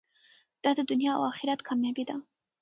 دا د دنیا او اخرت کامیابي ده.